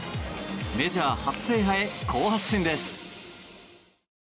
メジャー初制覇へ好発進です。